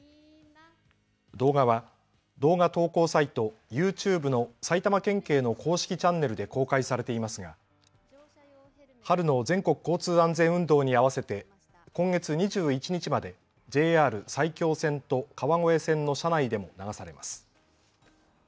動画は動画投稿サイト、ＹｏｕＴｕｂｅの埼玉県警の公式チャンネルで公開されていますが春の全国交通安全運動に合わせて今月２１日までＪＲ埼京線と川越線の車内でも流されます。